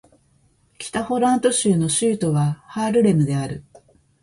北ホラント州の州都はハールレムである